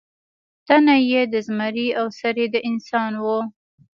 تنه یې د زمري او سر یې د انسان و.